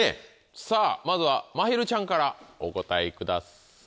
さぁまずはまひるちゃんからお答えください。